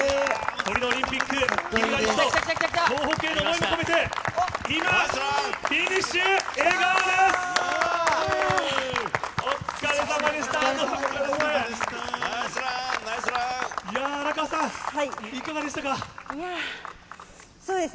トリノオリンピック金メダリスト、東北への思いを込めて、今、フィニッシュ、笑顔です。